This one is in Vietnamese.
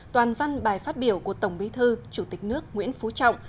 toàn văn bài phát biểu của tổng bí thư chủ tịch nước nguyễn phú trọng